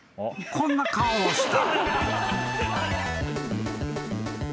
［こんな顔をした］